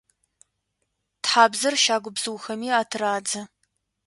Тхьабзэр щагу бзыухэми атырадзэ.